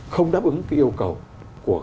không đáp ứng cái yêu cầu của